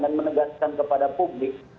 dan menegaskan kepada publik